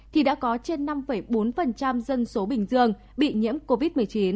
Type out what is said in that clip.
thì đã có trên năm bốn dân số bình dương bị nhiễm covid một mươi chín